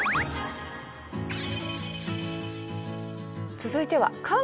続いてはん？